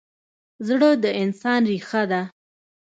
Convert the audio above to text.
زړه د انسان ریښه ده.